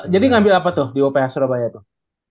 jadi ngambil apa tuh di uph surabaya tuh